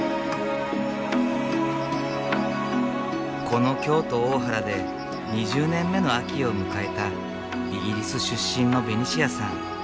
この京都・大原で２０年目の秋を迎えたイギリス出身のベニシアさん。